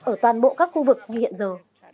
ở toàn bộ các khu vực như hiện giờ